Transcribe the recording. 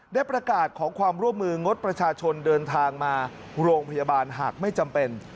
ได้ประกาศขอความร่วมมืองดประชาชนเดินทางมาโรงพยาบาลหากไม่จำเป็น